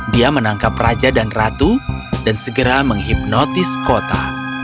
dia menangkap raja dan ratu dan segera menghipnotis kota